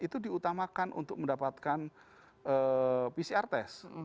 itu diutamakan untuk mendapatkan pcr test